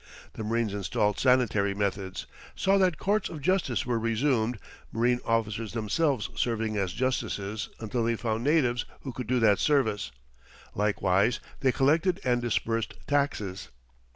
The marines installed sanitary methods, saw that courts of justice were resumed, marine officers themselves serving as justices until they found natives who could do that service. Likewise they collected and disbursed taxes.